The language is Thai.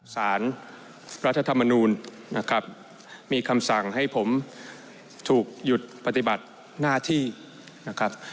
สารรัฐธรรมนูลนะครับมีคำสั่งให้ผมถูกหยุดปฏิบัติหน้าที่นะครับ